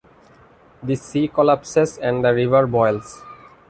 The sea collapses and the river boils.